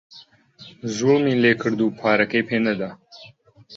زووڵمی لێکرد و پارەکەی پێ نەدا